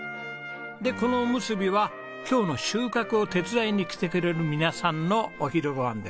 でこのおむすびは今日の収穫を手伝いに来てくれる皆さんのお昼ご飯です。